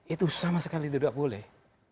itu sama sekali tidak boleh